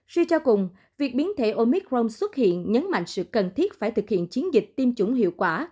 suy cho cùng việc biến thể omicron xuất hiện nhấn mạnh sự cần thiết phải thực hiện chiến dịch tiêm chủng hiệu quả